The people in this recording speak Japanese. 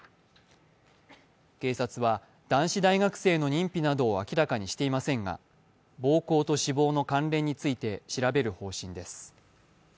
警察は男子大学生の認否などを明らかにしていませんが、暴行と死亡の関連について調べる方針です。